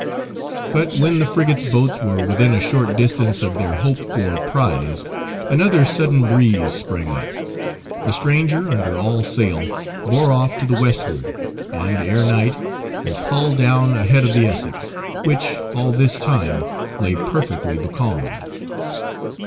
But, when the frigate's boats were within a short distance of their hoped for prize, another sudden breeze sprang up; the stranger, under all sail, bore off to the westward, and, ere night, was hull down ahead of the Essex, which, all this time, lay perfectly becalmed.